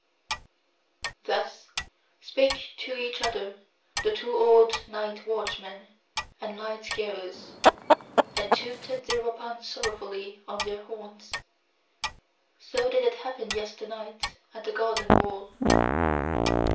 Thus spake to each other the two old night watchmen and light scarers, and tooted thereupon sorrowfully on their horns: so did it happen yester night at the garden wall.